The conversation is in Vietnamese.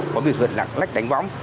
có việc gần lạc lách đánh võng